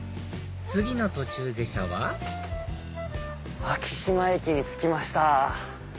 次の途中下車は昭島駅に着きました。